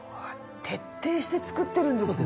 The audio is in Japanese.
徹底して造ってるんですね。